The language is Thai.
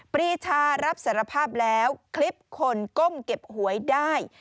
ปรีชารับสารภาพแล้วคลิปคนก้มเก็บหวยได้